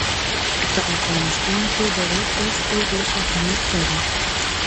په افغانستان کې د ریګ دښتې ډېر اهمیت لري.